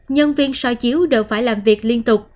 nhân viên so chiếu đều phải làm việc liên tục